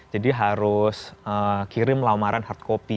jadi harus kirim lamaran hard copy